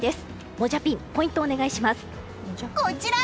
もじゃぴんポイントをお願いします。